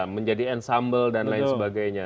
menjadi ensamble dan lain sebagainya